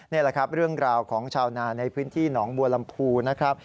นี่แหละครับเรื่องราวของชาวนาในพื้นที่หนองบัวลำพูนะครับ